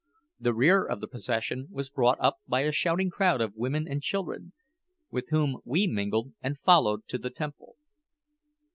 The rear of the procession was brought up by a shouting crowd of women and children, with whom we mingled and followed to the temple.